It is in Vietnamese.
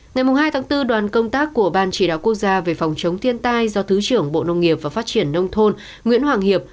ngày hai tháng bốn đoàn công tác của ban chỉ đạo quốc gia về phòng chống thiên tai do thứ trưởng bộ nông nghiệp và phát triển nông thôn nguyễn hoàng hiệp